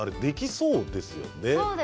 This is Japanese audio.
そうですね。